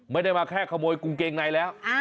ไม่ได้มาแค่ขโมยกุงเกงในแล้ว